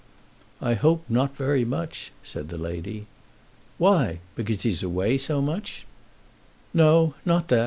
"I hope not very much," said the lady. "Why so? Because he's away so much?" "No; not that.